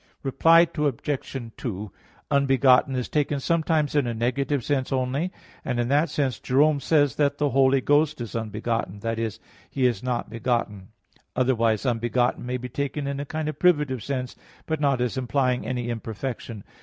Reply Obj. 2: "Unbegotten" is taken sometimes in a negative sense only, and in that sense Jerome says that "the Holy Ghost is unbegotten," that is, He is not begotten. Otherwise "unbegotten" may be taken in a kind of privative sense, but not as implying any imperfection.